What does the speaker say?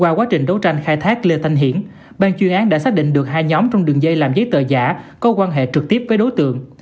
qua quá trình đấu tranh khai thác lê thanh hiển ban chuyên án đã xác định được hai nhóm trong đường dây làm giấy tờ giả có quan hệ trực tiếp với đối tượng